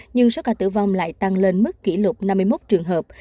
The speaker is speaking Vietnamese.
nhưng số ca tử vong lại tăng lên mức kỷ lục năm mươi một trường hợp